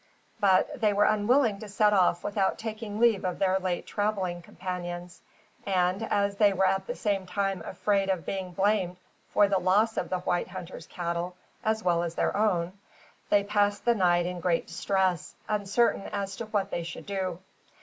But they were unwilling to set off without taking leave of their late travelling companions; and, as they were at the same time afraid of being blamed for the loss of the white hunters' cattle, as well as their own, they passed the night in great distress, uncertain as to what they should do.